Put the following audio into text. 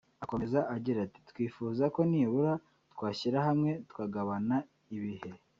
Akomeza agira ati "Twifuza ko nibura twashyira hamwe tukagabana ibihe